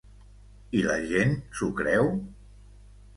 I la gent s’ho creu?